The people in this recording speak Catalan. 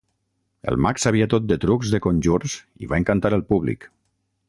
El mag sabia tot de trucs de conjurs i va encantar el públic.